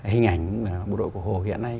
hình ảnh bộ đội của hồ hiện nay